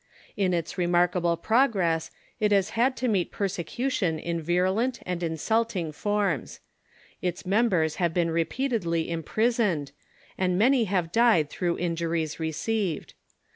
In its remarkable progress it has had to meet persecution in virulent and insnlt ing forms. Its members have been repeatedly imprisoned, and many have died through injuries received.